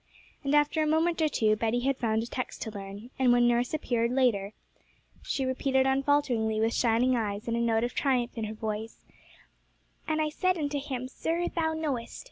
And after a moment or two Betty had found a text to learn, and when nurse appeared later on she repeated unfalteringly with shining eyes and with a note of triumph in her tone 'And I said unto him, Sir, thou knowest.